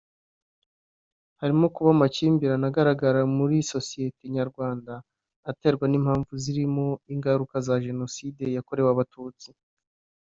harimo kuba amakimbirane agaragara muri sosiyete nyarwanda aterwa n’impamvu zirimo ingaruka za Jenoside yakorewe Abatutsi